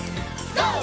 ＧＯ！